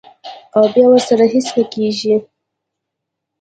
او بیا ورسره هېڅ نۀ کيږي -